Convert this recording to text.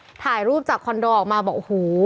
วิเชียร์บุรีค่ะวิเชียร์บุรีอ่ะลองลองลองลองไปฟังดูนะฮะ